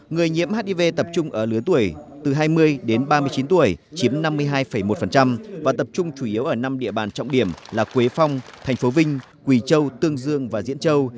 người nhiễm hiv tập trung ở lứa tuổi từ hai mươi đến ba mươi chín tuổi chiếm năm mươi hai một và tập trung chủ yếu ở năm địa bàn trọng điểm là quế phong thành phố vinh quỳ châu tương dương và diễn châu